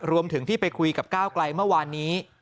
รวมถึงที่ไปคุยกับก้าวไกลเมื่อวานนี้